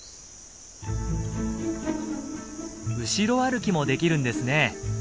後ろ歩きもできるんですね。